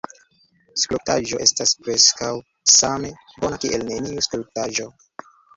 Skulptaĵo estas preskaŭ same bona kiel neniu skulptaĵo.